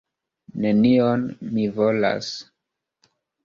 Nenion mi volas.